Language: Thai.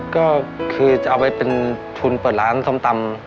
ก็คือจะเอาไปเป็นทุนเปิดร้านส้มตำ